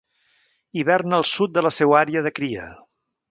Hiverna al sud de la seua àrea de cria.